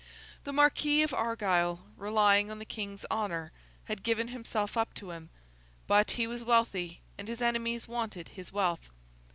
The Marquis of Argyle, relying on the King's honour, had given himself up to him; but, he was wealthy, and his enemies wanted his wealth.